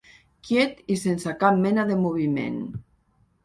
Quiet i sense cap mena de moviment.